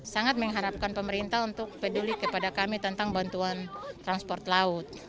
sangat mengharapkan pemerintah untuk peduli kepada kami tentang bantuan transport laut